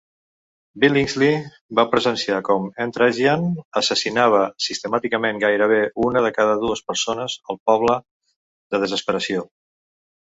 Billingsley va presenciar com Entragian assassinava sistemàticament gairebé una de cada dues persones al poble de Desesperació.